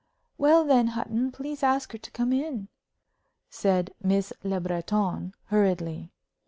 "Well, then, Hutton, please ask her to come in," said Miss Le Breton, hurriedly.